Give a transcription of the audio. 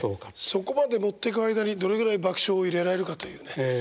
そこまで持ってく間にどれぐらい爆笑を入れられるかというね。